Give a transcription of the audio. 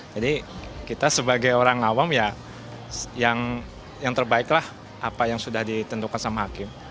jadi kita sebagai orang awam ya yang terbaiklah apa yang sudah ditentukan sama hakim